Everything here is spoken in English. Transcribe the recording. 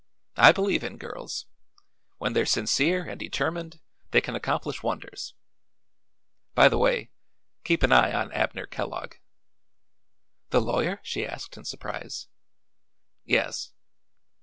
I believe in girls. When they're sincere and determined they can accomplish wonders. By the way, keep an eye on Abner Kellogg." "The lawyer?" she asked in surprise. "Yes.